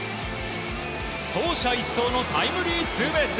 走者一掃のタイムリーツーベース。